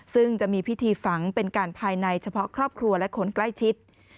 ซึ่งจะมีพิธีฝังเป็นการภายในเฉพาะครอบครัวและคนใกล้ชิด